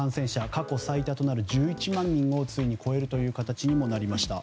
過去最多となる１１万人をついに超えるという形になりました。